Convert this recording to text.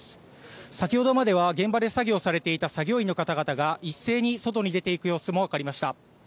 先ほどまでは現場で作業されていた作業員の方々が一斉に外に出ていく様子も分かりました。